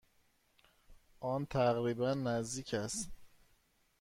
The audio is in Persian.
آن تقریبا نزدیک است.